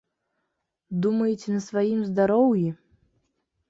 Думаеце, на сваім здароўі?